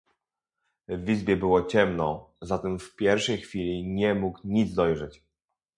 "W izbie było ciemno, zatem w pierwszej chwili nie mógł nic dojrzeć."